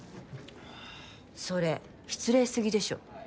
それ失礼すぎでしょ。